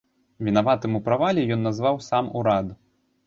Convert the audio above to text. Вінаватым у правале ён назваў сам урад.